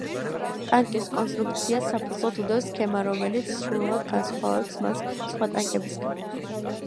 ტანკის კონსტრუქციას საფუძვლად უდევს სქემა, რომელიც სრულიად განასხვავებს მას სხვა ტანკებისგან.